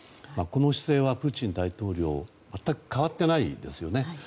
この姿勢はプーチン大統領全く変わっていないですよね。